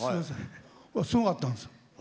すごかったんですよ。